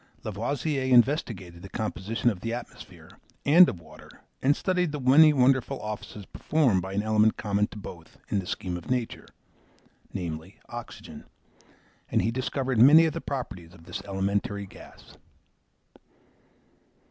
Lavoisier investigated the composition of the atmosphere and of water, and studied the many wonderful offices performed by an element common to both in the scheme of nature, namely, oxygen: and he discovered many of the properties of this elementary gas.